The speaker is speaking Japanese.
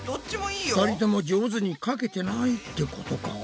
２人とも上手にかけてないってことか？